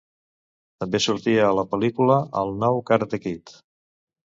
També sortia a la pel·lícula "El nou Karate Kid".